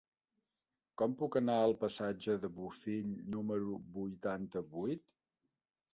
Com puc anar al passatge de Bofill número vuitanta-vuit?